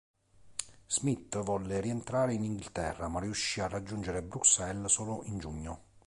Smith volle rientrare in Inghilterra ma riuscì a raggiungere Bruxelles solo in giugno.